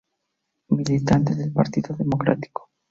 Militante del Partido Democrático.